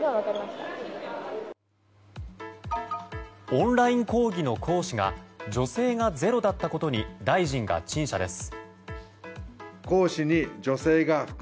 オンライン講義の講師が女性がゼロだったことに大臣が陳謝です。